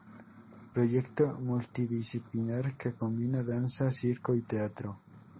Proyecto multidisciplinar que combina danza, circo y teatro.